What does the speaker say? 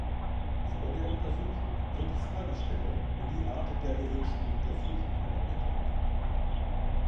Vor der Untersuchung wird die Fragestellung und die Art der gewünschten Untersuchung übermittelt.